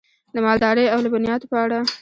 د مالدارۍ او لبنیاتو په اړه: